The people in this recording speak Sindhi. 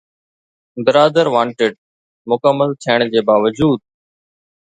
’برادر وانٽيڊ‘ مڪمل ٿيڻ جي باوجود